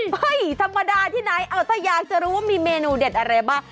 ไม่ธรรมดาที่ไหนถ้าอยากจะรู้ว่ามีเมนูเด็ดอะไรบ้าง